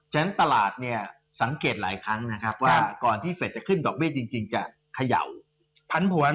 ฉะนั้นตลาดเนี่ยสังเกตหลายครั้งนะครับว่าก่อนที่เฟสจะขึ้นดอกเบี้ยจริงจะเขย่าพันผวน